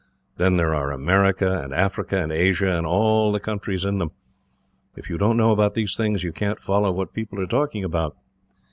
Then there are America, and Africa, and Asia, and all the countries in them. If you don't know about these things, you can't follow what people are talking about."